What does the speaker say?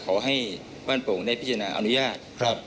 ขอให้บ้านโป่งได้พิจารณาอนุญาต